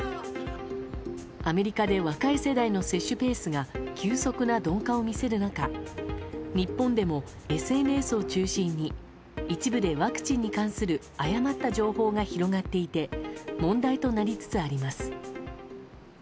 アメリカで若い世代の接種ペースが急速な鈍化を見せる中、日本でもＳＮＳを中心に一部でワクチンに関する誤った情報が広がっていて問題となりつつあります。